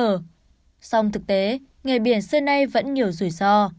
trong thực tế nghề biển xưa nay vẫn nhiều rủi ro